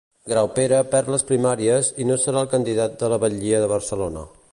Graupera perd les primàries i no serà el candidat a la batllia de Barcelona.